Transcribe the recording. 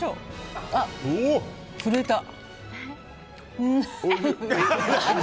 あ、震えた。